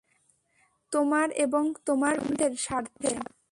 তোমার এবং তোমার প্রিয়জনদের স্বার্থে।